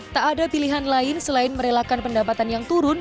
tak ada pilihan lain selain merelakan pendapatan yang turun